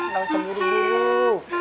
lo sendiri dulu